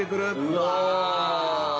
うわ。